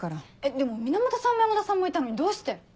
でも源さんも山田さんもいたのにどうして。